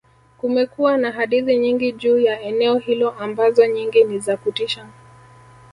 kumekuwa na hadithi nyingi juu ya eneo hilo ambazo nyingi ni za kutisha